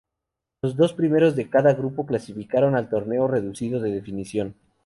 Los dos primeros de cada grupo clasificaron al torneo reducido de definición.